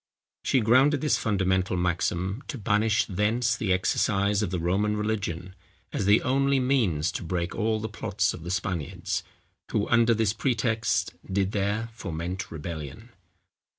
She grounded this fundamental maxim, to banish thence the exercise of the Roman religion, as the only means to break all the plots of the Spaniards, who under this pretext, did there foment rebellion."